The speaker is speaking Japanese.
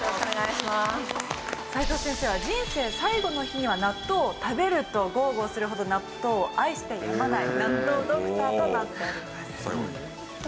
齋藤先生は「人生最後の日には納豆を食べる」と豪語するほど納豆を愛してやまない納豆ドクターとなっております。